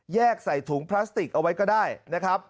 ใส่ถุงพลาสติกเอาไว้ก็ได้นะครับ